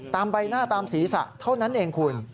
ใบหน้าตามศีรษะเท่านั้นเองคุณ